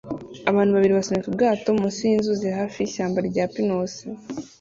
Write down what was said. Abantu babiri basunika ubwato munsi yinzuzi hafi yishyamba rya pinusi